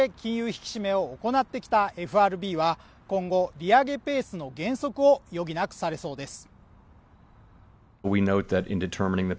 引き締めを行ってきたＦＲＢは今後利上げペースの減速を余儀なくされそうです